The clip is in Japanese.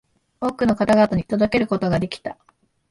多くの方々に届けることができた